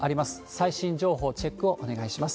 最新情報チェックをお願いします。